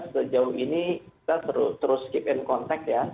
sejauh ini kita terus keep in contact